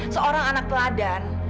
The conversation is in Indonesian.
seorang anak teladan